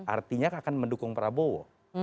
artinya akan mendukung prabowo